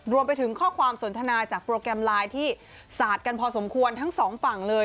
รวมไปถึงข้อความสนทนาจากโปรแกรมไลน์ที่สาดกันพอสมควรทั้งสองฝั่งเลย